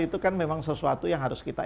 itu kan memang sesuatu yang harus kita